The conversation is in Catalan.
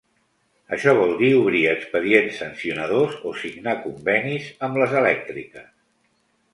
Això vol dir obrir expedients sancionadors o signar convenis amb les elèctriques.